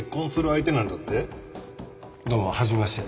どうも初めまして。